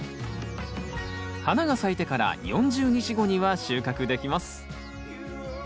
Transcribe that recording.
花が咲いてから４０日後には収穫できます。